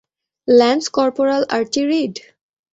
Lance corporal Archie read?